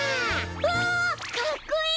わあかっこいい！